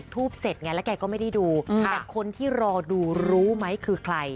แต่คนที่รอดูรู้มั้ยคือใคร